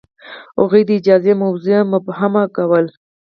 هغوی د اجازه موضوع مبهمه کوله.